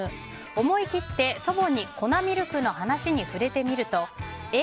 思い切って祖母に粉ミルクの話に触れてみると、え？